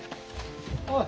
おい。